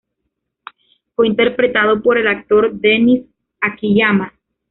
Fue interpretado por el actor Denis Akiyama.